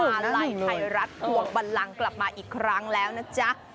มาลัยไทยรัฐทวงบันลังกลับมาอีกครั้งแล้วนะจ๊ะ